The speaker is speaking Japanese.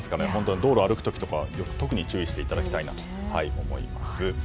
道路歩く時は特に注意していただきたいなと思います。